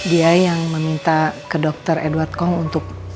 dia yang meminta ke dokter edward kong untuk